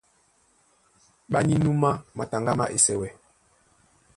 Ɓá nínúmá mataŋgá má Esɛwɛ.